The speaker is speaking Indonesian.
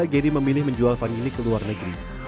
deddy memilih menjual vanili ke luar negeri